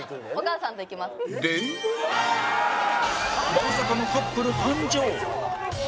まさかのカップル誕生！